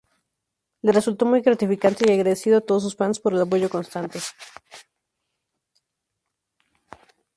Le resultó muy gratificante y agradeció a todos sus fans por el apoyo constante.